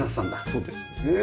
そうですね。